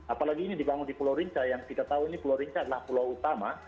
apalagi ini dibangun di pulau rinca yang kita tahu ini pulau rinca adalah pulau utama